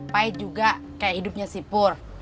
pait juga kayak hidupnya si pur